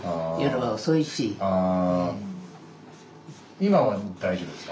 今は大丈夫ですか？